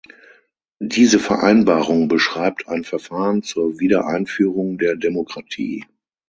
Diese Vereinbarung beschreibt ein Verfahren zur Wiedereinführung der Demokratie.